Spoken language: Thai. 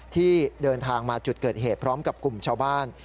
ที่เดินทางมาจุดเกิดเหตุพร้อมกับกลุ่มชาวบ้าน